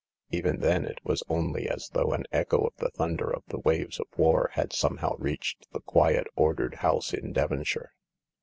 Even then it was only as though an echo of the thunder of the waves of war had somehow reached the quiet, ordered house in Devonshire.